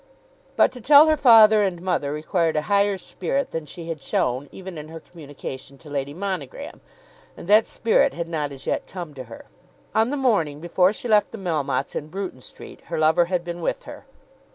But to tell her father and mother required a higher spirit than she had shown even in her communication to Lady Monogram, and that spirit had not as yet come to her. On the morning before she left the Melmottes in Bruton Street, her lover had been with her.